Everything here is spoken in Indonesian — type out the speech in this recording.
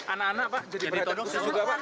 anak anak pak jadi perhatian khusus juga pak